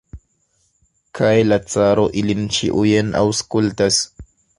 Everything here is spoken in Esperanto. Kaj la caro ilin ĉiujn aŭskultas.